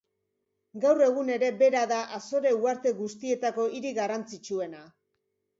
Gaur egun ere bera da Azore uharte guztietako hiri garrantzitsuena.